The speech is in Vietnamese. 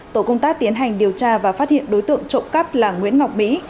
tổ công tác tiến hành điều tra và phát hiện đối tượng trộm cắp là nguyễn ngọc mỹ